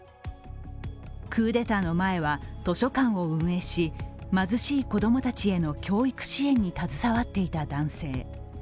クーデターの前は図書館を運営し、貧しい子供たちへの教育支援に携わっていた男性。